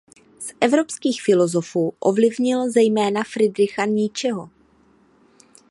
Z evropských filozofů ovlivnil zejména Friedricha Nietzscheho.